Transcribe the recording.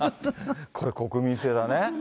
これ、国民性だね。